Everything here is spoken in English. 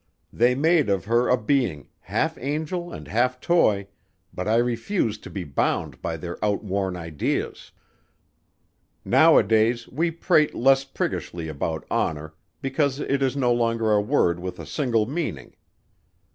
They made of her a being, half angel and half toy, but I refuse to be bound by their outworn ideas. "Nowadays we prate less priggishly about honor because it is no longer a word with a single meaning."